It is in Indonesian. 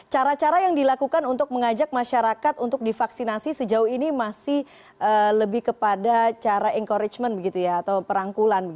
cara cara yang dilakukan untuk mengajak masyarakat untuk divaksinasi sejauh ini masih lebih kepada cara encouragement begitu ya atau perangkulan